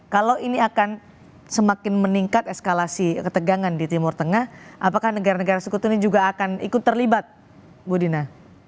kalau ini akan semakin meningkat eskalasi ketegangan di timur tengah apakah negara negara sekutu ini juga akan ikut terlibat budina